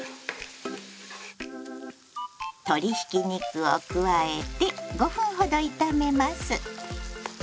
鶏ひき肉を加えて５分ほど炒めます。